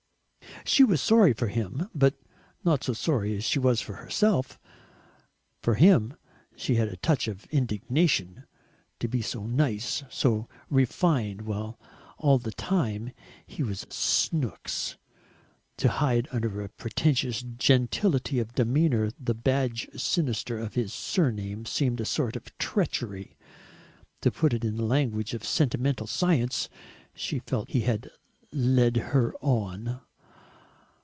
She was sorry for him, but not so sorry as she was for herself. For him she had a touch of indignation. To be so nice, so refined, while all the time he was "Snooks," to hide under a pretentious gentility of demeanour the badge sinister of his surname seemed a sort of treachery. To put it in the language of sentimental science she felt he had "led her on."